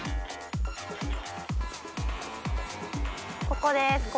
ここです。